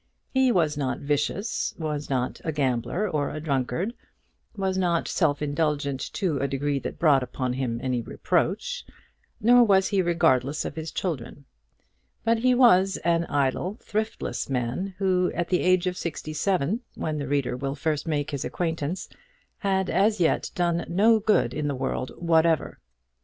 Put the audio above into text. He was not vicious, was not a gambler or a drunkard, was not self indulgent to a degree that brought upon him any reproach; nor was he regardless of his children. But he was an idle, thriftless man, who, at the age of sixty seven, when the reader will first make his acquaintance, had as yet done no good in the world whatever.